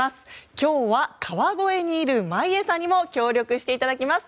今日は、川越にいる眞家さんにも協力していただきます。